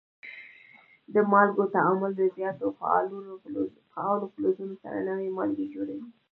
د مالګو تعامل د زیاتو فعالو فلزونو سره نوي مالګې جوړوي.